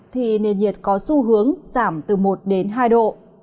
thì nền nhiệt có xu hướng giảm từ một đến hai độ